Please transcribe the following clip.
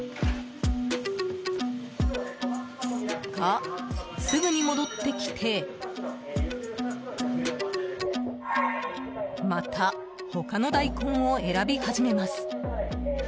が、すぐに戻ってきてまた他の大根を選び始めます。